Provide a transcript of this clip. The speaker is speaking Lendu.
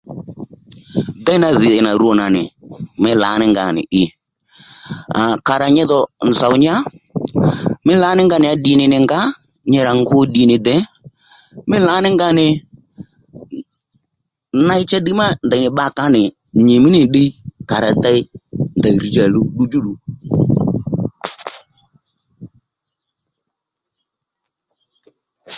Déydha dhì nà rwo na nì mí lǎní nga nì i aa kàrà nyi dho nzòw nya mí lǎní nga ya ddì nì nì ngǎ nyi rà ngu ddì nì dè mí lǎní nga nì ney cha ddiy má ndèy nì bbakà ó nì nyì mí nì nì ddiy kàrà dey ndèy rr̀djá ò luw ddudjúddù